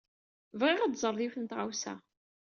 Bɣiɣ ad teẓred yiwet n tɣawsa.